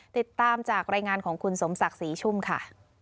ติดตามจากรายงานของคุณสมศักดิ์ศรีชุ่มค่ะ